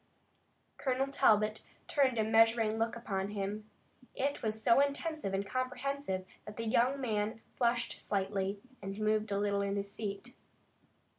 Colonel Talbot turned a measuring look upon him. It was so intent and comprehensive that the young man flushed slightly, and moved a little in his seat.